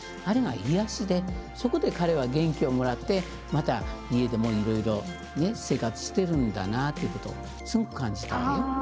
あれが癒やしでそこで彼は元気をもらってまた家でもいろいろね生活してるんだなってことすごく感じたわよ。